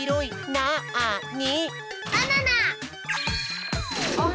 なに？